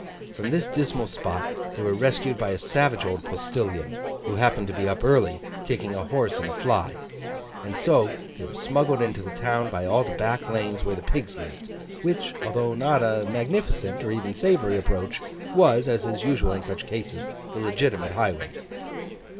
From this dismal spot they were rescued by a savage old postilion, who happened to be up early, kicking a horse in a fly: and so were smuggled into the town by all the back lanes where the pigs lived: which, although not a magnificent or even savoury approach, was, as is usual in such cases, the legitimate highway.